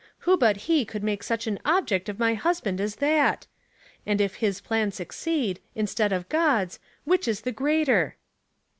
"Who but he could make such an object of my husband as that? And if his plans succeed, in stead of God's, which is the greater?